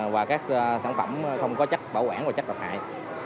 và các sản phẩm không có chất bảo quản và chất độc hại